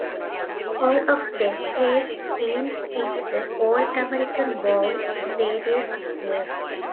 All of them placed teams in the All-American Bowl in various years.